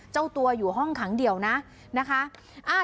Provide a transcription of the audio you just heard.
เจ้าตัวอยู่ห้องขังเดี่ยวนะนะคะ